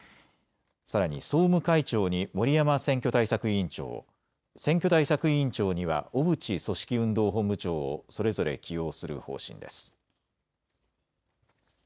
さらに総務会長に森山選挙対策委員長を、選挙対策委員長には小渕組織運動本部長をそれぞれ起用する方針です。